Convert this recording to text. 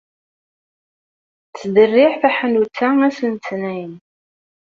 Tettderriɛ tḥanut-a ass n letnayen.